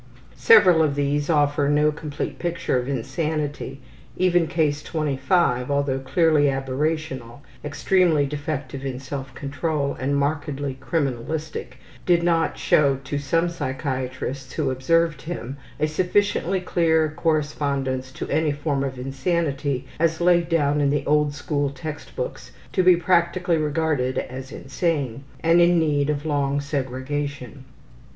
Several of these offer no complete picture of insanity even Case 25, although clearly aberrational, extremely defective in self control, and markedly criminalistic, did not show to some psychiatrists who observed him a sufficiently clear correspondence to any form of insanity as laid down in the old school text books to be practically regarded as insane and in need of long segregation.